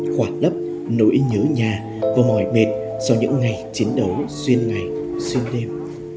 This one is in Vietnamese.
khỏa lấp nỗi nhớ nhà và mỏi mệt sau những ngày chiến đấu xuyên ngày xuyên đêm